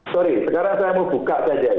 sorry sekarang saya mau buka saja